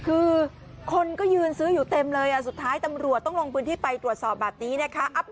คือคนก็ยืนซื้ออยู่เต็มเลยสุดท้ายตำรวจต้องลงพื้นที่ไปตรวจสอบแบบนี้นะคะ